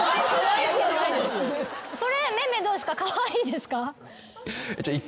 それめめどうですか？